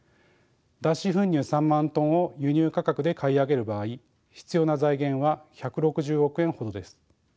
脱脂粉乳３万ｔを輸入価格で買い上げる場合必要な財源は１６０億円ほどです。